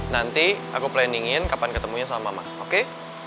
nanti aku planningin kapan ketemunya sama mama oke